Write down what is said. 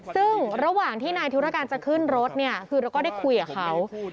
ซึ่งระหว่างที่นายธุรการจะขึ้นรถเนี่ยคือเราก็ได้คุยกับเขา